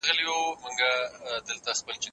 لاس مينځه